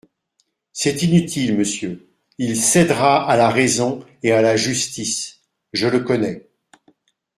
C'est inutile, monsieur, il cédera à la raison et à la justice, je le connais.